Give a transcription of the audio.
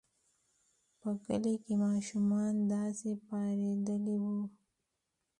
په کلي کې ماشومان داسې پارېدلي وو.